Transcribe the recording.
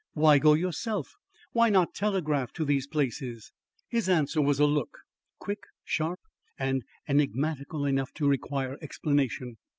Why go yourself? Why not telegraph to these places?" His answer was a look, quick, sharp and enigmatical enough to require explanation.